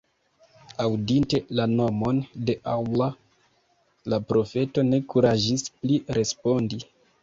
Aŭdinte la nomon de Allah, la profeto ne kuraĝis pli respondi.